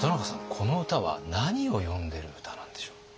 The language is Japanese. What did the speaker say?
この歌は何を詠んでる歌なんでしょう？